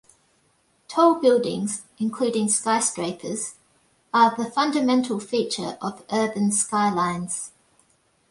Tall buildings, including skyscrapers, are the fundamental feature of urban skylines.